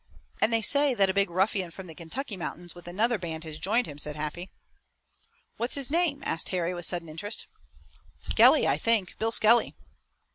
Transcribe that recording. "And they say that a big ruffian from the Kentucky mountains with another band has joined him," said Happy. "What's his name?" asked Harry with sudden interest. "Skelly, I think, Bill Skelly."